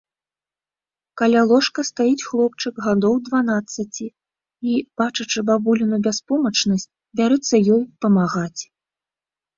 Каля ложка стаіць хлопчык гадоў дванаццаці і, бачачы бабуліну бяспомачнасць, бярэцца ёй памагаць.